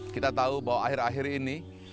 kita tahu bahwa akhir akhir ini